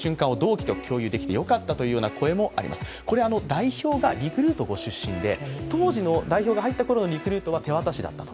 代表がリクルートご出身で当時の代表が入ったころのリクルートは手渡しだったと。